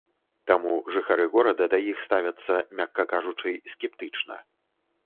Таму жыхары горада да іх ставяцца, мякка кажучы, скептычна.